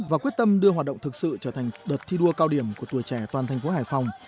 và quyết tâm đưa hoạt động thực sự trở thành đợt thi đua cao điểm của tuổi trẻ toàn thành phố hải phòng